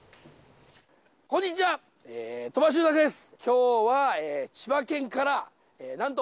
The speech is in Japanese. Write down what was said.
こんにちは、鳥羽周作です。